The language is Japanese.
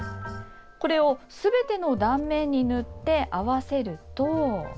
これをすべての断面に塗って、合わせると。